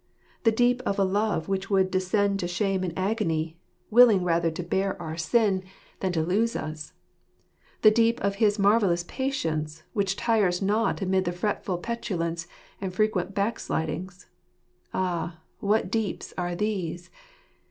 The deep of a love which would descend to shame and agony ; willing rather to bear our sin than to i7fi We Stwczt oi jSJtaE&ttejss. lose as. The deep of his marvellous patience, which tires not amid our fretful petulance and frequent backslidings, Ah, what deeps are these